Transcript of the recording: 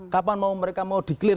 kapan mereka mau di clear